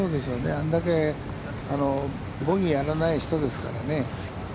あんだけボギーやらない人ですからね。